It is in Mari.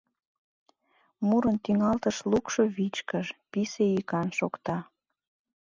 Мурын тӱҥалтыш лукшо вичкыж, писе йӱкан шокта.